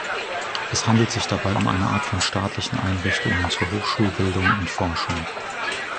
Es handelt sich dabei um eine Art von staatlichen Einrichtungen zur Hochschulbildung und Forschung.